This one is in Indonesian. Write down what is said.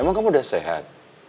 emang kamu udah sehat